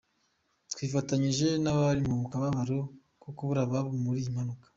Twifatanyije n’abari mu kababaro ko kubura ababo muri iyi mpanuka.